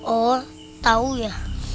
oh tau ya